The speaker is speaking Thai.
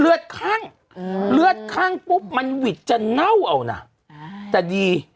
เลือดข้างเลือดข้างปุ๊บมันหวิตจะเน่าอ่ะโอน่าแต่ดี